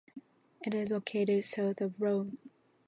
It is located south of Rome.